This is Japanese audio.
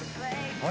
あれ？